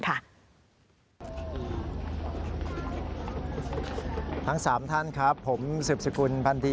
ทั้ง๓ท่านครับผมสืบสกุลพันธี